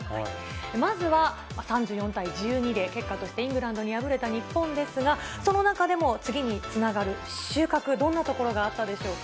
まずは３４対１２で結果としてイングランドに敗れた日本ですが、その中でも、次につながる収穫、どんなところがあったでしょうか。